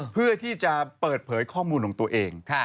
เพื่อที่จะเปิดเผยข้อมูลของตัวเอง